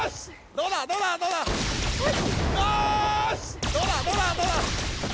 どうだどうだどうだよし！